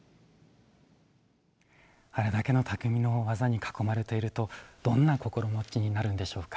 あれだけのたくみの技に囲まれていると、どんな心持ちになるんでしょうか。